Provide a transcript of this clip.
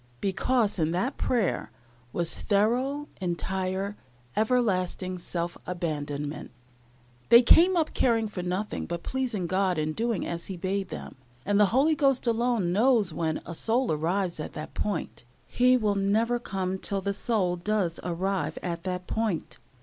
Because in that prayer was thorough, entire, everlasting self abandonment. They came up caring for nothing but pleasing God and doing as He bade them; and the Holy Ghost alone knows when a soul arrives at that point. He will never come till the soul does arrive at that point.